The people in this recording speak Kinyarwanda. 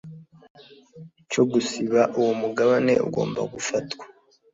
cyo gusiba uwo mugabane Ugomba gufatwa